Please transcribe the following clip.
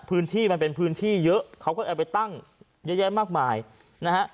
พื้นที่มันเป็นพื้นที่เยอะเขาก็เอาไปตั้งเยอะแยะมากมายนะฮะ